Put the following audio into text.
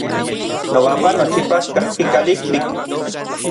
Nobapan nochipa kajki kalijtik.